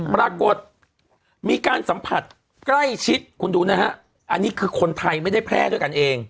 ปรากฏมีการสัมผัสใกล้ชิดคุณดูนะฮะอันนี้คือคนไทยไม่ได้แพร่ด้วยกันเอง